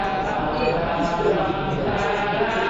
mtangazaji anaweza kufanya majadiliano yawe na uhai